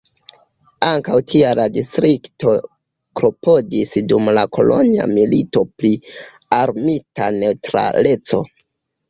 Ankaŭ tial la distrikto klopodis dum la Kolonja Milito pri armita neŭtraleco.